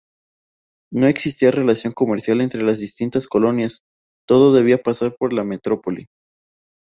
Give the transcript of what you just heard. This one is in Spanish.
No existía relación comercial entre las distintas colonias, todo debía pasar por la metrópoli.